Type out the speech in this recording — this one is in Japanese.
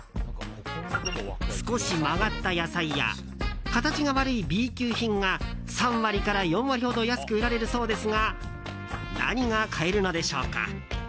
少し曲がった野菜や形が悪いＢ級品が３割から４割ほど安く売られるそうですが何が買えるのでしょうか？